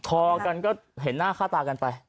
พอกันก็เห็นหน้าค่าตากันไป